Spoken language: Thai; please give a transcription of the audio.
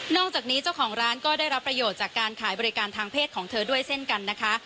จากนี้เจ้าของร้านก็ได้รับประโยชน์จากการขายบริการทางเพศของเธอด้วยเช่นกันนะคะ